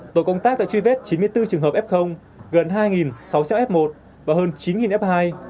tổ công tác đã truy vết chín mươi bốn trường hợp f gần hai sáu trăm linh f một và hơn chín f hai